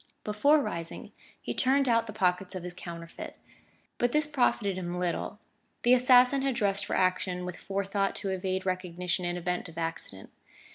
Before rising he turned out the pockets of his counterfeit. But this profited him little: the assassin had dressed for action with forethought to evade recognition in event of accident.